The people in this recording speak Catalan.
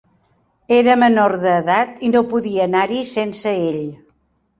Era menor d"edat i no podia anar-hi sense ell.